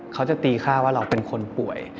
เขาจะตีค่าว่าเราเป็นคนป่วย